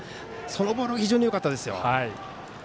そのボールが非常によかったです。